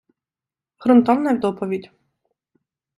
Грунтовна доповідь.